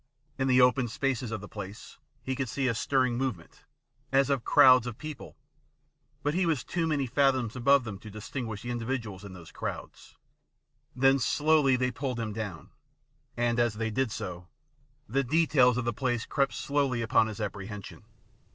In the open spaces of the place he could see a stirring movement as of crowds of people, but he was too many fathoms above them to distinguish the individuals in those crowds. Then slowly they pulled him down, and as they did so, the details of the place crept slowly upon his apprehension.